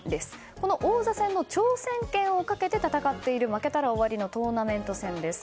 この王座戦の挑戦権をかけて戦っている、負けたら終わりのトーナメント戦です。